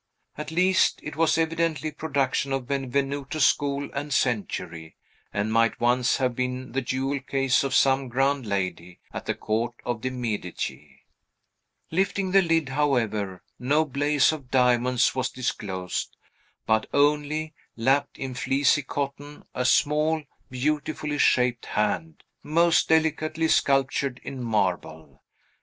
At least, it was evidently a production of Benvenuto's school and century, and might once have been the jewel case of some grand lady at the court of the De' Medici. Lifting the lid, however, no blaze of diamonds was disclosed, but only, lapped in fleecy cotton, a small, beautifully shaped hand, most delicately sculptured in marble.